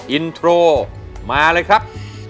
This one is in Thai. อินโทรมาเลยครับ